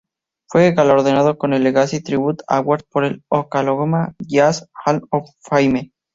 Fue galardonado con el "Legacy Tribute Award" por el "Oklahoma Jazz Hall of Fame".